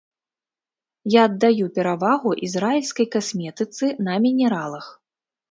Я аддаю перавагу ізраільскай касметыцы на мінералах.